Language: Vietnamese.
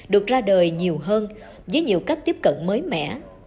được ra đời nhiều hơn với nhiều cách tiếp cận mới mẻ